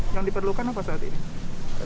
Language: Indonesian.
yang diperlukan apa saat ini